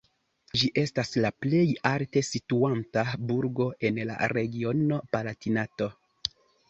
Ĝi estas la plej alte situanta burgo en la regiono Palatinato.